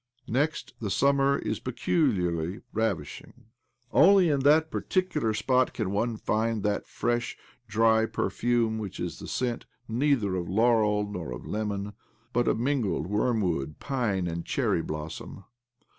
Next, the summer is peculiarly ravish ing. Only in that particular spot can one find that fresh, dty perfume which is the scent neither of laurel nor of lemon, but of mingled wormwood, pine, ajnd cherry blossom.